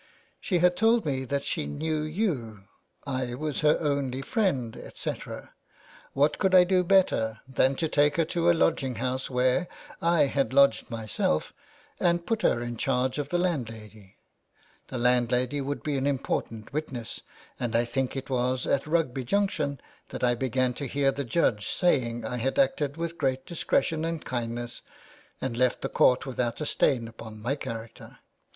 She had told me that she knew you, I was her only friend, etc. What could I do better than to take her to a lodging house where I had lodged myself and put her in charge of the landlady ? The landlady would be an important witness, and I think it was at Rugby Junction that I began to hear the judge saying I had acted with great discretion and kindness, and left the court without a stain upon my character.